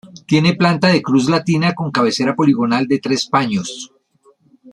Tiene planta de cruz latina con cabecera poligonal de tres paños.